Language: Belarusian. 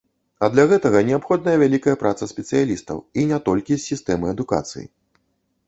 А для гэтага неабходная вялікая праца спецыялістаў, і не толькі з сістэмы адукацыі.